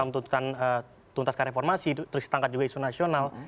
tentang tuntaskan reformasi terus setangkat juga isu nasional